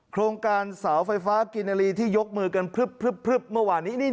โครงการเสาไฟฟ้ากินนาลีที่ยกมือกันพลึบเมื่อวานนี้